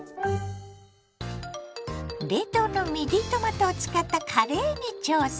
冷凍のミディトマトを使ったカレーに挑戦。